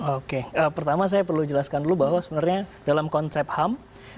oke pertama saya perlu jelaskan dulu bahwa sebenarnya dalam konsep ham